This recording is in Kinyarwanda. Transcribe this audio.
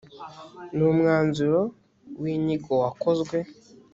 ni umwanzuro w inyigo wakozwe